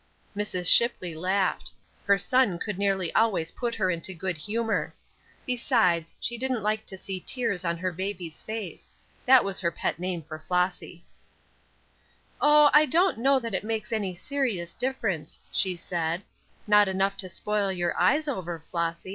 Mrs. Shipley laughed. Her son could nearly always put her into good humor. Besides, she didn't like to see tears on her baby's face; that was her pet name for Flossy. "Oh, I don't know that it makes any serious difference," she said; "not enough to spoil your eyes over, Flossy.